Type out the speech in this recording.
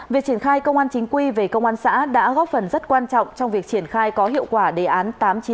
việc triển khai công an chính quy về công an xã đã góp phần rất quan trọng trong việc triển khai có hiệu quả đề án tám trăm chín mươi chín